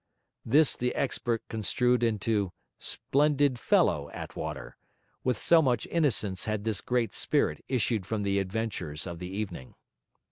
This the expert construed into 'Splendid fellow, Attwater'; with so much innocence had this great spirit issued from the adventures of the evening.